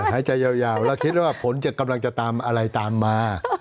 หายใจยาวแล้วคิดว่าผลจะกำลังจะตามอะไรตามมา